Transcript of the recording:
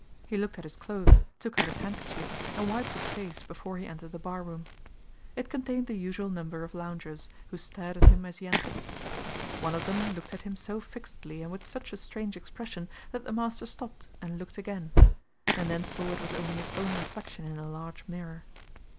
He looked at his clothes, took out his handkerchief, and wiped his face before he entered the barroom. It contained the usual number of loungers, who stared at him as he entered. One of them looked at him so fixedly and with such a strange expression that the master stopped and looked again, and then saw it was only his own reflection in a large mirror.